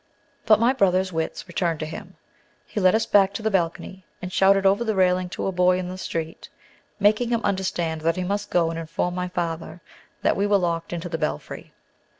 But my brother's wits returned to him. He led us back to the balcony, and shouted over the railing to a boy in the street, making him understand that he must go and inform my father that we were locked into the belfry.